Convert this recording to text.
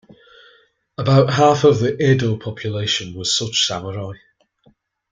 About half of the Edo population was such samurai.